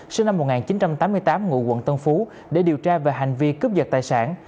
sinh năm một nghìn chín trăm tám mươi tám ngụ quận tân phú để điều tra về hành vi cướp giật tài sản